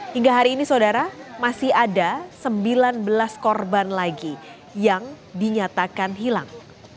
hingga hari ini saudara masih ada sembilan belas korban lagi yang dinyatakan hilang